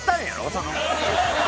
その。